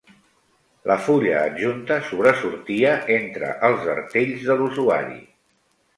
La fulla adjunta sobresortia entre els artells de l'usuari.